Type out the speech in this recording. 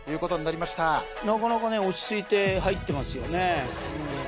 なかなかね落ち着いて入ってますよね。